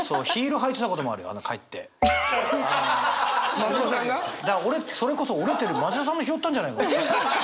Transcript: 増子さんが？だから俺それこそ折れてる町田さんの拾ったんじゃないかな？